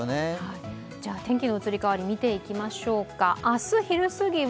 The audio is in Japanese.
じゃ、天気の移り変わり、見ていきましょうか。